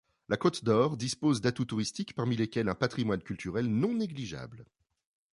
La Côte-d'Or dispose d'atouts touristiques parmi lesquels un patrimoine culturel non négligeable.